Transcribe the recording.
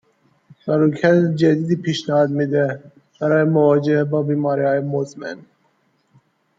و رویکرد جدیدی پیشنهاد میده برای مواجهه با بیماریهای مُزمِن.